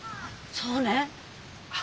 そうねえ。